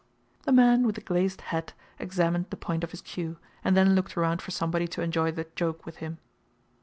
The man with the glazed hat examined the point of his cue, and then looked around for somebody to enjoy the joke with him.